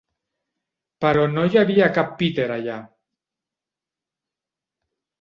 Però no hi havia cap Peter allà.